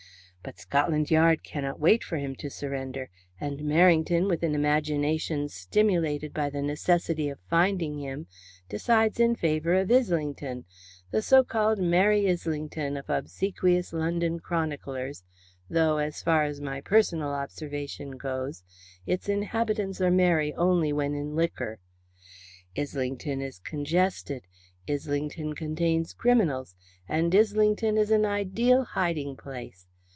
But Scotland Yard cannot wait for him to surrender, and Merrington, with an imagination stimulated by the necessity of finding him, decides in favour of Islington the so called Merry Islington of obsequious London chroniclers, though, so far as my personal observation goes, its inhabitants are merry only when in liquor. Islington is congested, Islington contains criminals, and Islington is an ideal hiding place.